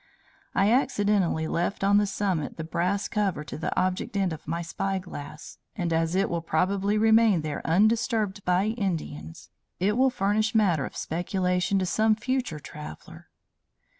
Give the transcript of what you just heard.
"I accidentally left on the summit the brass cover to the object end of my spyglass and as it will probably remain there undisturbed by Indians, it will furnish matter of speculation to some future traveller.